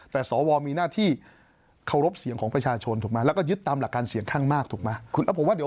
แต่สวมีหน้าที่เคารพเสียงของประชาชนถูกไหมแล้วก็ยึดตามหลักการเสียงข้างมากถูกไหม